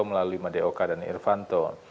melalui lima dok dan irvanto